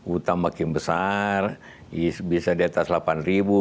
utang makin besar bisa di atas delapan ribu